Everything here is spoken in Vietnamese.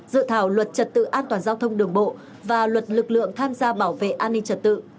dự thảo luật trật tự an toàn giao thông đường bộ và luật lực lượng tham gia bảo vệ an ninh trật tự